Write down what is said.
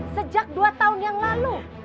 sejak dua tahun yang lalu